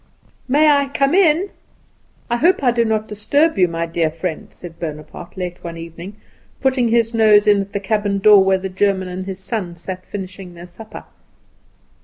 "May I come in? I hope I do not disturb you, my dear friend," said Bonaparte, late one evening, putting his nose in at the cabin door, where the German and his son sat finishing their supper.